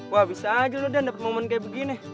wah bisa aja lo dan dapat momen kayak begini